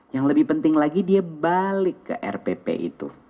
yang lebih penting lagi dia balik ke rpp itu